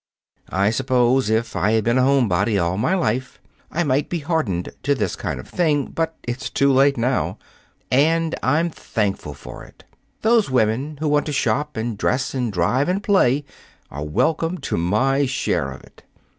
I suppose if I had been a homebody all my life, I might be hardened to this kind of thing. But it's too late now. And I'm thankful for it. Those women who want to shop and dress and drive and play are welcome to my share of it.